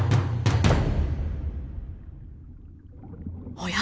おや？